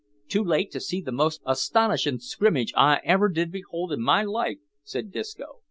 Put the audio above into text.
"Too late to see the most a stonishin' scrimmage I ever did behold in my life," said Disco.